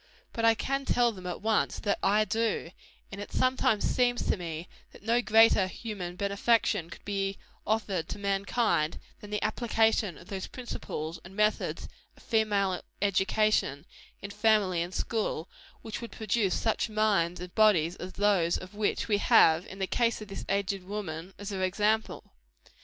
But I can tell them, at once, that I do; and it sometimes seems to me, that no greater human benefaction could be offered to mankind, than the application of those principles and methods of female education, in family and school, which would produce such minds and bodies as those of which we have, in the case of this aged woman, an example!